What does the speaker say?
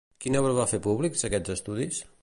Quina obra va fer públics aquests estudis?